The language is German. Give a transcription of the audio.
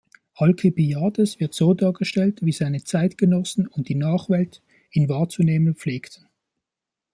Alkibiades wird so dargestellt, wie seine Zeitgenossen und die Nachwelt ihn wahrzunehmen pflegten.